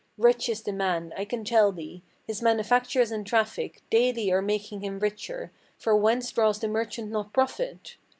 Rich is the man, I can tell thee. His manufactures and traffic Daily are making him richer; for whence draws the merchant not profit?